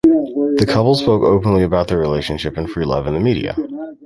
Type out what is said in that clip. The couple spoke openly about their relationship and free love in the media.